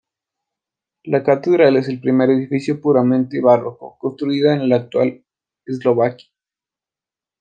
La catedral es el primer edificio puramente barroco construida en la actual Eslovaquia.